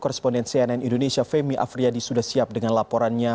koresponden cnn indonesia femi afriyadi sudah siap dengan laporannya